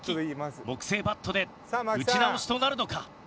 木製バットで打ち直しとなるのか？